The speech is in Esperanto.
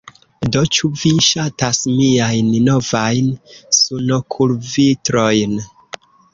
Do, ĉu vi ŝatas miajn novajn sunokulvitrojn